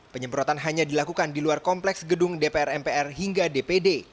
penyemprotan hanya dilakukan di luar kompleks gedung dpr mpr hingga dpd